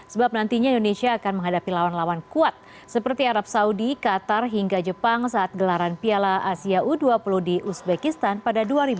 sebab nantinya indonesia akan menghadapi lawan lawan kuat seperti arab saudi qatar hingga jepang saat gelaran piala asia u dua puluh di uzbekistan pada dua ribu dua puluh